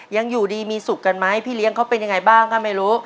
ยังอยู่ดีมีสุขกันไหมพี่เลี้ยงเขาเป็นยังไงบ้างก็ไม่รู้